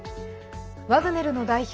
ワグネルの代表